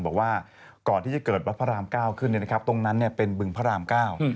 บอกว่าก่อนที่จะเกิดวัดพระรามเก้าขึ้นตรงนั้นเป็นบึงพระรามเก้า